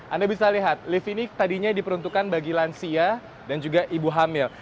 anda bisa lihat lift ini tadinya diperuntukkan bagi lansia dan juga ibu hamil